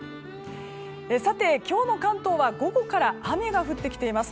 さて、今日の関東は午後から雨が降ってきています。